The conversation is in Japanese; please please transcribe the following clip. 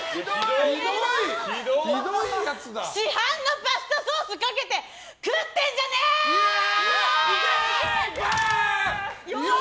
市販のパスタソースかけて食ってんじゃねーよ！